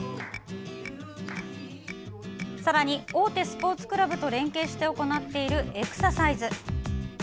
さらに、大手スポーツクラブと連携して行っているエクササイズ。